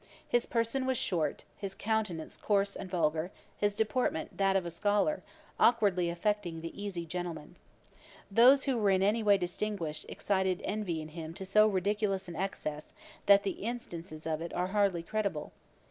His person was short, his countenance coarse and vulgar, his deportment that of a scholar awkwardly affecting the easy gentleman. Those who were in any way distinguished, excited envy in him to so ridiculous an excess, that the instances of it are hardly credible.